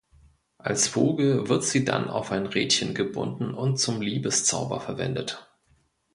Als Vogel wird sie dann auf ein Rädchen gebunden und zum Liebeszauber verwendet.